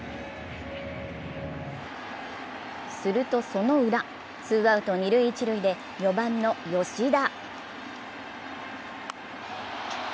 するとそのウラ、ツーアウト、二・一塁で４番の吉田。